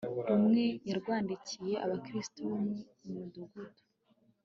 rumwe yarwandikiye abakristo bo mu mudugudu